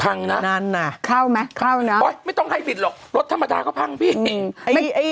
พังน่ะนานน่ะโอ๊ยไม่ต้องไฮบริตหรอกรถธรรมดาก็พังพี่